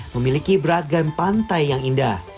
memiliki beragam pantai yang indah